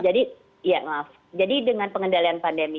jadi ya maaf jadi dengan pengendalian pandemi